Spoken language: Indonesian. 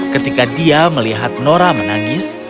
ketika dia melihat nora menangis